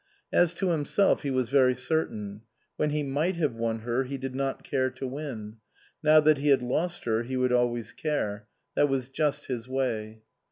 As to himself he was very certain ; when he might have won her he did not care to win, now that he had lost her he would always care. That was just his way.